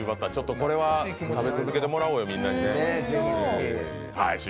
これは食べ続けてもらおうよ、みんなに。